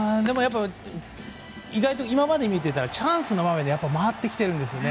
意外と今まで見ていたらチャンスの場面で回ってきているんですよね。